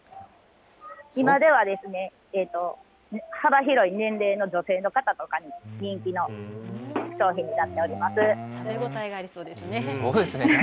今ではですね、幅広い年齢の女性の方とかに人気の商品になってお食べ応えがありそうですね。